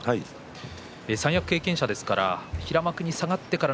三役経験者ですから平幕に下がってから